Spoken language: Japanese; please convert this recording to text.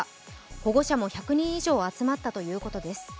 保護者も１００人以上、集まったということです。